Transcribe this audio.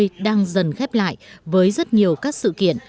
năm hai nghìn hai mươi đang dần khép lại với rất nhiều các sự kiện